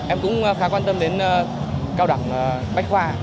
em cũng khá quan tâm đến cao đẳng bách khoa